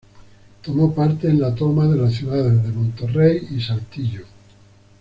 Tomó parte en la toma de las ciudades de Monterrey y Saltillo.